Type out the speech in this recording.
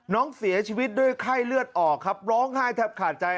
น้องเสียชีวิตด้วยไข้เลือดออกครับร้องไห้แทบขาดใจ